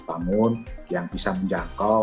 bangun yang bisa menjangkau